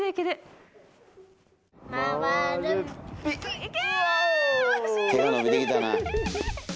いけ！